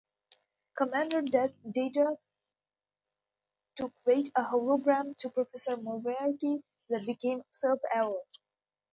Commander Data to create a hologram of Professor Moriarty that became self-aware.